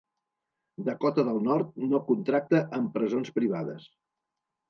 Dakota del Nord no contracta amb presons privades.